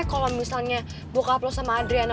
kalau misalnya bapak lo sama adriana